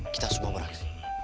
kita semua akan berjuang